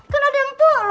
kan ada yang tua